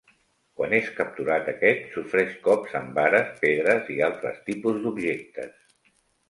Quan és capturat aquest sofreix cops amb vares, pedres i altre tipus d'objectes.